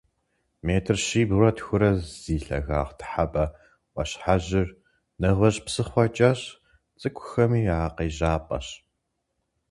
Метр щибгъурэ тхурэ зи лъагагъ Тхьэбэ Ӏуащхьэжьыр нэгъуэщӀ псыхъуэ кӀэщӀ цӀыкӀухэми я къежьапӀэщ.